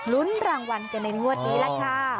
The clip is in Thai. ลุ้นรางวัลกันในงวดนี้แหละค่ะ